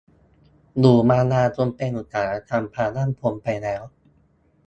อยู่มานานจนเป็น "อุตสาหกรรมความมั่นคง" ไปแล้ว